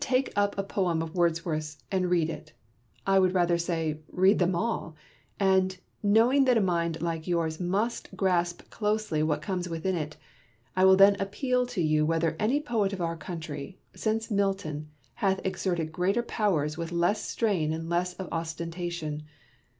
Take up a poem of Wordsworth's and read it — I would rather say, read them all ; and, knowing that a mind like yours must grasp closely what comes within it, I will then appeal to you whether any poet of our country, since Milton, hath exerted greater powers with less of strain and less of ostentation.